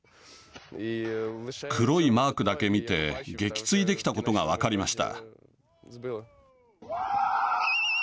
黒いマークだけ見て撃墜できたことが分かりました。